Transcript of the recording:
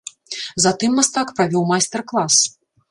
Затым мастак правёў майстар-клас.